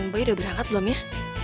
bayi udah berangkat belum ya